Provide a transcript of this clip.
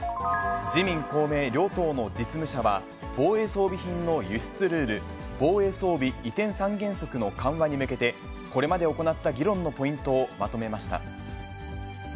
自民、公明両党の実務者は、防衛装備品の輸出ルール、防衛装備移転三原則の緩和に向けて、これまで行った議論のポイントをまとめました。